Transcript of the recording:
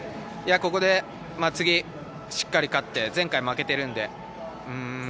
ここで、次しっかり勝って前回、負けているんで。